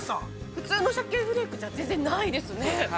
◆普通のシャケフレークじゃ、全然ないですね。